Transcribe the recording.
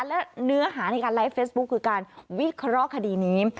และเนื้อหาในการไลฟ์เฟซบุ๊คคือการวิเคราะห์คดีนี้